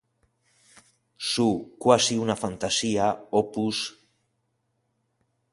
Su "Quasi una fantasía..." Op.